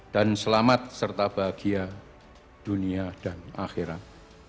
dan selamat dan bahagia dunia dan akhirat